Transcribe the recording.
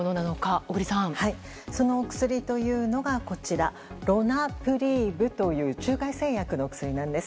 その薬というのが、こちらロナプリーブという中外製薬のお薬なんです。